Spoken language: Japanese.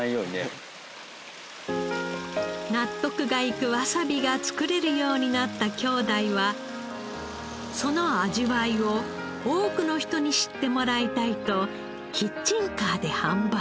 納得がいくわさびが作れるようになった兄弟はその味わいを多くの人に知ってもらいたいとキッチンカーで販売。